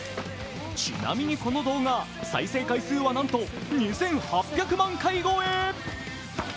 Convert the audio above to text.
ちなみにこの動画、再生回数はなんと２８００万回超え。